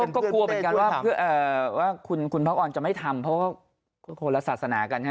ก็กลัวเหมือนกันว่าคุณพระอร์นจะไม่ทำเพราะโฆษณากัน